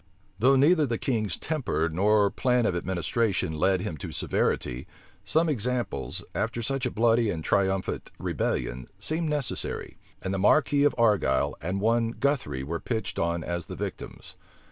Though neither the king's temper nor plan of administration led him to severity, some examples, after such a bloody and triumphant rebellion, seemed necessary; and the marquis of Argyle and one Guthry were pitched on as the victims.